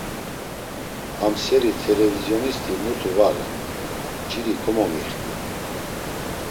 Am seri t̆elevizyonisti mutu va ren, nciri komomixtu.